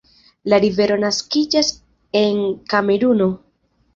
La rivero naskiĝas en Kameruno.